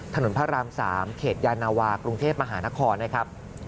ถนนพระราม๓เขตยานาวากรุงเทพมหานครนะครับ